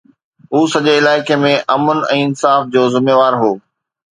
هو سڄي علائقي ۾ امن ۽ انصاف جو ذميوار هو.